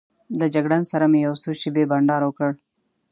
له جګړن سره مې یو څو شېبې بانډار وکړ.